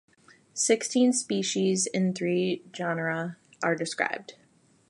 Sixteen species in three genera are described.